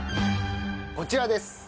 こちらです。